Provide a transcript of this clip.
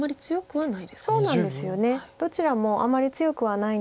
はい。